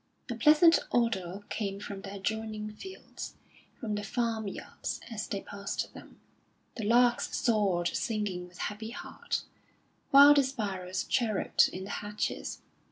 A pleasant odour came from the adjoining fields, from the farm yards, as they passed them; the larks soared singing with happy heart, while the sparrows chirruped in the hedges.